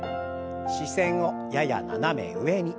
視線をやや斜め上に。